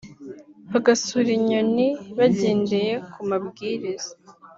bagasura inyoni bagendeye ku mabwiriza